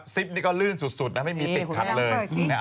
อันนี้คือมีข้างเข้าลื่นสุดไม่มีติดขัดเลย